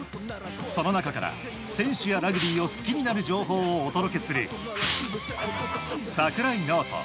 その中から、選手やラグビーを好きになる情報をお届けする櫻井ノート。